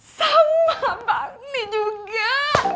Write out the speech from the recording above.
sama mbak nih juga